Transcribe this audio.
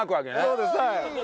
そうですはい。